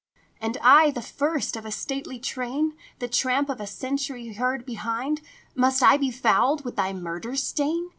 " And I, the first of a stately train, The tramp of a century heard behind, Must I be fouled with thy murder stain?